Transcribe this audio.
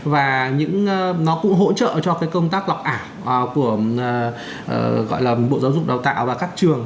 và nó cũng hỗ trợ cho cái công tác lọc ảo của gọi là bộ giáo dục đào tạo và các trường